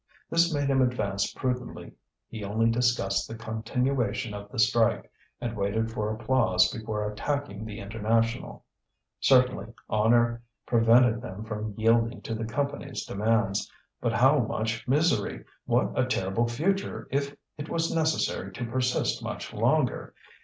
This made him advance prudently. He only discussed the continuation of the strike, and waited for applause before attacking the International. Certainly honour prevented them from yielding to the Company's demands; but how much misery! what a terrible future if it was necessary to persist much longer!